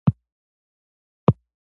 امیر صېب ته ما وې " نن دې ناوخته کړۀ "